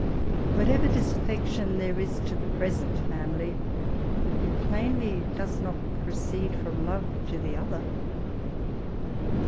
Whatever disaffection there is to the present family, it plainly does not proceed from love to the other.